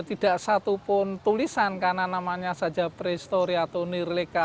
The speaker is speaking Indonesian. tidak satupun tulisan karena namanya saja prehistori atau nirlika